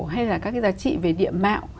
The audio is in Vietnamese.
hay là các cái giá trị về địa mạo